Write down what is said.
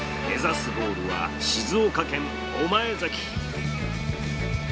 目指すゴールは静岡県御前崎。